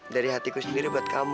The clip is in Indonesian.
dari hatiku sendiri buat kamu